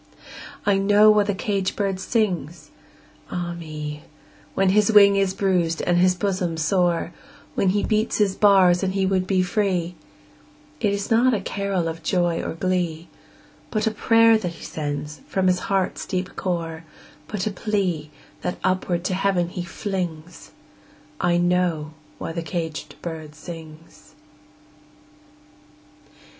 I know why the caged bird sings, ah me, When his wing is bruised and his bosom sore, When he beats his bars and he would be free; It is not a carol of joy or glee, But a prayer that he sends from his heart's deep core, But a plea, that upward to Heaven he flings I know why the caged bird sings!